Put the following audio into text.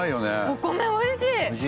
お米おいしい。